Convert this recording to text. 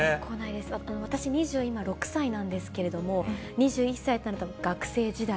私、今２６歳なんですけれども、２１歳となると学生時代。